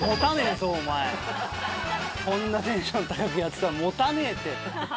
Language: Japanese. こんなテンション高くやってたらもたねえって。